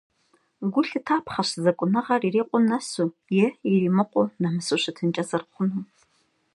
Гу лъытапхъэщ зэкӏуныгъэр ирикъуу нэсу е иримыкъуу, нэмысу щытынкӏэ зэрыхъунум.